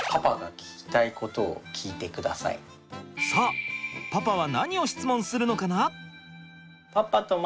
さあパパは何を質問するのかな？